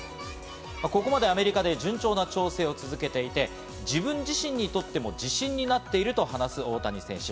ここまでアメリカで順調な調整を続けていて、自分自身にとっても自信になっていると話す大谷選手。